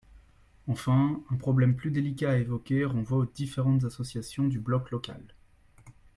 Enfin, un problème plus délicat à évoquer renvoie aux différentes associations du bloc local.